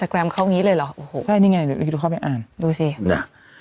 แกรมเขาอย่างนี้เลยเหรอโอ้โหแค่นี่ไงเดี๋ยวดูเข้าไปอ่านดูสิน่ะ